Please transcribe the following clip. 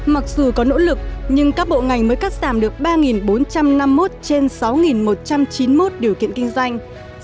mặc dù có nỗ lực nhưng các bộ ngành mới cắt giảm được ba bốn trăm năm mươi một trên sáu một trăm chín mươi một điều kiện kinh doanh